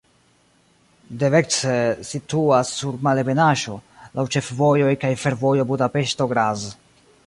Devecser situas sur malebenaĵo, laŭ ĉefvojoj kaj fervojo Budapeŝto-Graz.